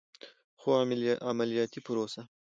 خو عملیاتي پروسه